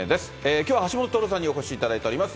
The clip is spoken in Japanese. きょうは橋下徹さんにお越しいただいております。